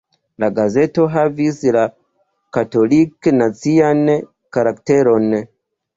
La gazeto havis la katolik-nacian karakteron.